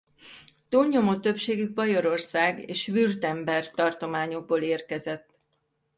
Túlnyomó többségük Bajorország és Württemberg tartományokból érkezett.